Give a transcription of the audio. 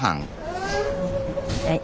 はい。